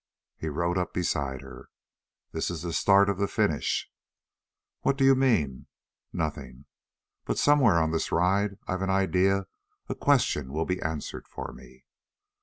He rode up beside her. "This is the start of the finish." "What do you mean?" "Nothing. But somewhere on this ride, I've an idea a question will be answered for me."